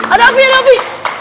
ada api ada api